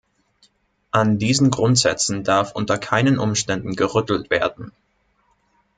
An diesen Grundsätzen darf unter keinen Umständen gerüttelt werden.